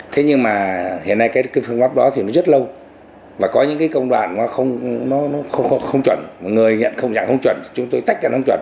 thế nhưng mà hiện nay phương pháp đó thì rất lâu và có những công đoạn không chuẩn người nhận không chuẩn chúng tôi tách ra không chuẩn